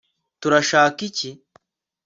turashaka iki